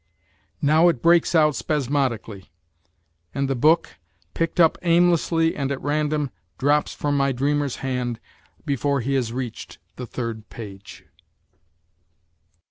Now it breaks out spa&rnodically ; and the book, picked up aimlessly and at random, drops from my dreamer's hand before he has reached 18 WHITE NIGHTS the third page.